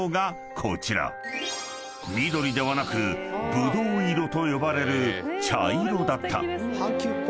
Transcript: ［緑ではなくブドウ色と呼ばれる茶色だった］